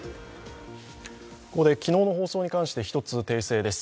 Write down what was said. ここで昨日の放送について１つ、訂正です。